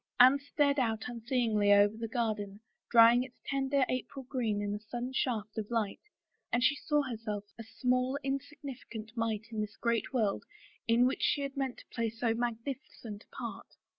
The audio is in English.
Anne stared out unseeingly over the garden, drying its tender April green in a sudden shaft of sun, and she saw her self a small, insignificant mite in this great world in which she had meant to play so magnificent a part.